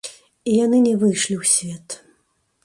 І яны не выйшлі ў свет.